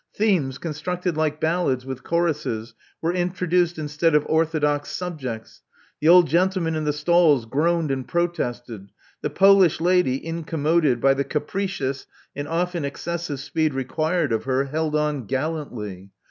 Themes constructed like ballads with choruses were introduced instead of orthodox subjects." The old gentlemen in the stalls groaned and protested. The Polish lady, incommoded by the capricious and often excessive speed required of her, held on gallantly.